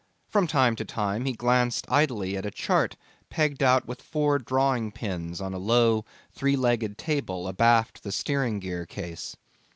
From time to time he glanced idly at a chart pegged out with four drawing pins on a low three legged table abaft the steering gear case.